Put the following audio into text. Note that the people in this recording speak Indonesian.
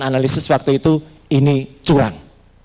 analisis waktu itu ini curang